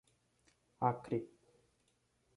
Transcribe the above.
Acre